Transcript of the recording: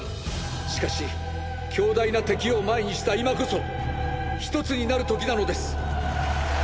しかし強大な敵を前にした今こそ一つになる時なのです！！